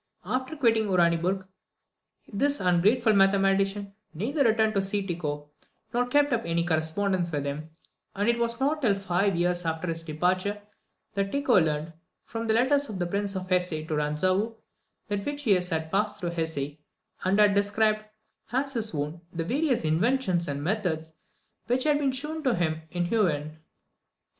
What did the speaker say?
After quitting Uraniburg, this ungrateful mathematician neither returned to see Tycho, nor kept up any correspondence with him; and it was not till five years after his departure that Tycho learned, from the letters of the Prince of Hesse to Ranzau, that Witichius had passed through Hesse, and had described, as his own, the various inventions and methods which had been shewn to him in Huen.